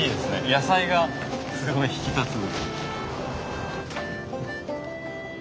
野菜がすごい引き立つ。